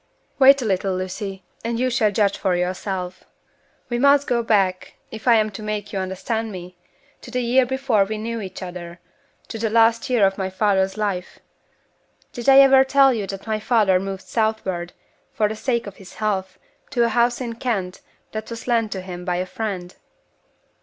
"Wait a little, Lucy, and you shall judge for yourself. We must go back if I am to make you understand me to the year before we knew each other to the last year of my father's life. Did I ever tell you that my father moved southward, for the sake of his health, to a house in Kent that was lent to him by a friend?"